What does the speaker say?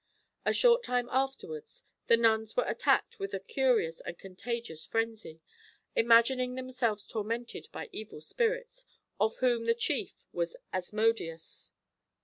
A short time afterwards the nuns were attacked with a curious and contagious frenzy, imagining themselves tormented by evil spirits, of whom the chief was Asmodeus.